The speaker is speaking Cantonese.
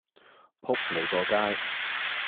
仆你個街